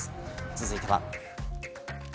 続いては。